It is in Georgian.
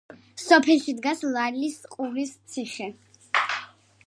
სოფელში დგას ლალისყურის ციხე.